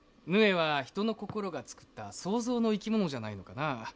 鵺は人の心が作った想像の生き物じゃないのかな。